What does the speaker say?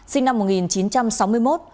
sinh năm một nghìn chín trăm sáu mươi một